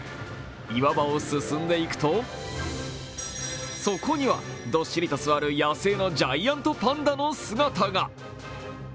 岩場を進んでいくと、そこにはどっしりと座る野生のジャイアントパンダの姿が。